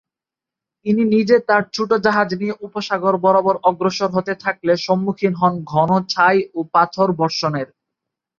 তিনি নিজে তার ছোট জাহাজ নিয়ে উপসাগর বরাবর অগ্রসর হতে থাকলে সম্মুখীন হন ঘন ছাই ও পাথরবর্ষণের।